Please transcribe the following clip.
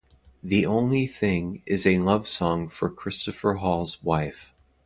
"The Only Thing" is a love song for Chistopher Hall's wife.